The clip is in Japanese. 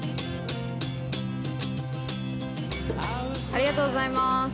ありがとうございます。